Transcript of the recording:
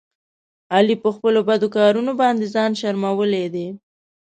علي په خپلو بدو کارونو باندې ځان شرمولی دی.